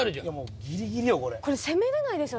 これこれ攻めれないですよね